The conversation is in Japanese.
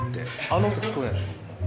あの音聞こえない。